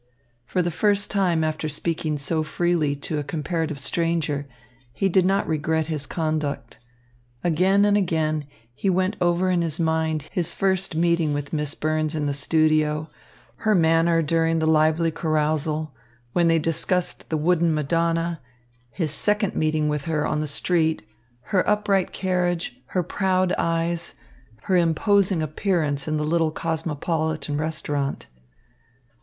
For the first time after speaking so freely to a comparative stranger, he did not regret his conduct. Again and again he went over in his mind his first meeting with Miss Burns in the studio, her manner during the lively carousal, when they discussed the wooden Madonna, his second meeting with her on the street, her upright carriage, her proud eyes, her imposing appearance in the little cosmopolitan restaurant.